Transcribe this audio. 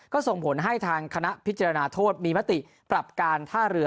ก็ส่งผลให้ทางคณะพิจารณาโทษมีมติปรับการท่าเรือ